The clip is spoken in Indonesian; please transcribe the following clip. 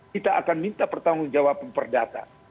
kita akan minta pertanggung jawab penyertaan